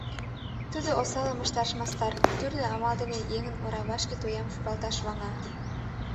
Тудо осалым ышташ мастар, тӱрлӧ амал дене еҥын орвашке тоям шуралташ ваҥа.